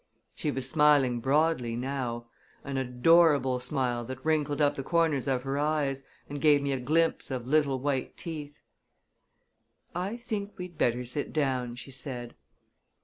She was smiling broadly, now; an adorable smile that wrinkled up the corners of her eyes, and gave me a glimpse of little white teeth. "I think we'd better sit down," she said.